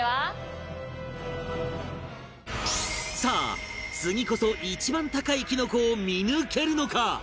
さあ次こそ一番高いきのこを見抜けるのか？